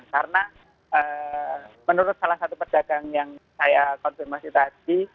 karena menurut salah satu pedagang yang saya konfirmasi tadi